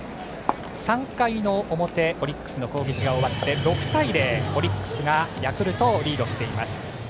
３回の表オリックスの攻撃が終わって６対０、オリックスがヤクルトをリードしています。